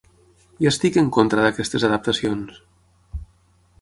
Hi estic en contra d'aquestes adaptacions...